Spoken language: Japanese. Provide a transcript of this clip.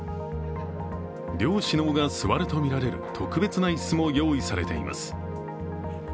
両首脳が座るとみられる特別な椅子も用意されています。